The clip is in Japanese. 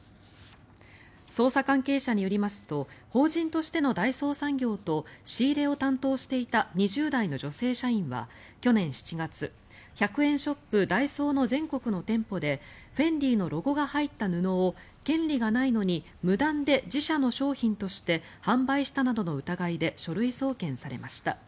捜査関係者によりますと法人としての大創産業と仕入れを担当していた２０代の女性社員は去年７月１００円ショップ、ダイソーの全国の店舗でフェンディのロゴが入った布を権利がないのに無断で自社の商品として販売したなどの疑いで書類送検されました。